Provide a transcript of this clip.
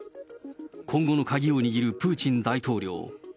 今後の鍵を握るプーチン大統領。